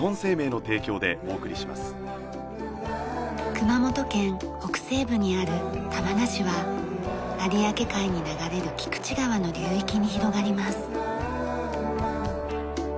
熊本県北西部にある玉名市は有明海に流れる菊池川の流域に広がります。